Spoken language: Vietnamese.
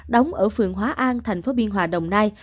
đóng ở phường hóa an thành phố biên hòa đồng nai